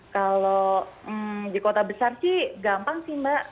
kalau di kota besar sih gampang sih mbak